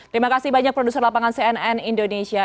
terima kasih banyak produser lapangan cnn indonesia